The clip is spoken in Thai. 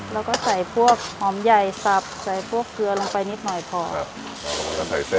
แล้วก็ใส่พวกหอมใหญ่สับใส่พวกเกลือลงไปนิดหน่อยพอครับ